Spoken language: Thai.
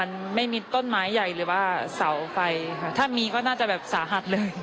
มันไม่มีต้นไม้ใหญ่หรือว่าเสาไฟค่ะถ้ามีก็น่าจะแบบสาหัสเลย